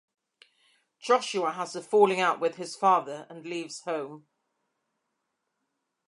Joshua has a falling out with his father and leaves home.